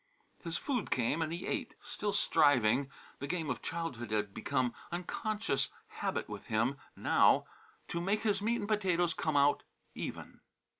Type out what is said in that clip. His food came and he ate, still striving the game of childhood had become unconscious habit with him now to make his meat and potatoes "come out even."